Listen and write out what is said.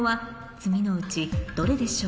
次のうちどれでしょう？